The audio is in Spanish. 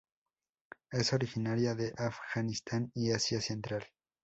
Es originaria de Afganistán y Asia central.